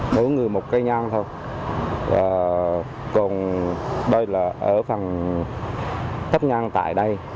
mỗi người một cây nhang thôi còn đây là ở phần thắp nhang tại đây